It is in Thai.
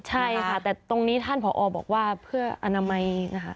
ใช่ค่ะแต่ตรงนี้ท่านผอบอกว่าเพื่ออนามัยนะคะ